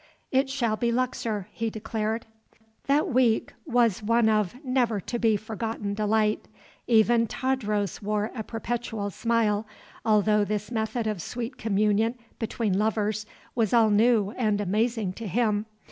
"It shall be Luxor," he declared. That week was one of never to be forgotten delight. Even Tadros wore a perpetual smile, although this method of sweet communion between lovers was all new and amazing to him.